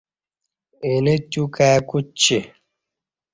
اینہ تیو کائی کوچی